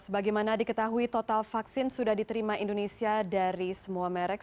sebagaimana diketahui total vaksin sudah diterima indonesia dari semua merek